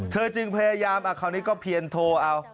จึงพยายามคราวนี้ก็เพียนโทรเอา